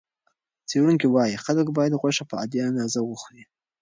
څېړونکي وايي خلک باید غوښه په عادي اندازه وخوري.